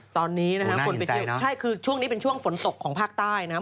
ตอนนี้นะครับช่วงนี้เป็นช่วงฝนตกของภาคใต้นะครับ